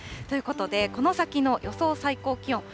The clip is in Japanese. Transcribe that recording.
ということでこの先の予想最高気温。